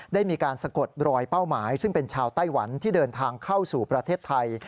ได้มีการสะกดรอยเป้าหมายซึ่งเป็นชาวไต้หวันที่เดินทางเข้าสู่ประเทศไทย